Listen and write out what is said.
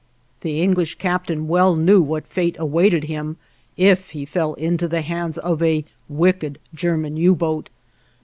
The English captain well knew what fate awaited him if he fell into the hands of a wicked German U boat.